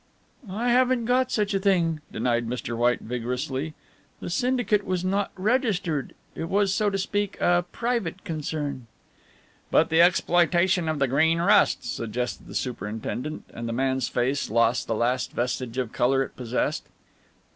"I haven't got such a thing," denied Mr. White vigorously, "the syndicate was not registered. It was, so to speak, a private concern." "But the exploitation of Green Rust?" suggested the superintendent, and the man's face lost the last vestige of colour it possessed.